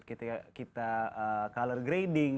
jadi ketika kita ngedit kita color grading